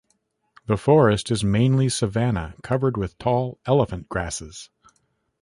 The forest is mainly savannah covered with tall elephant grasses.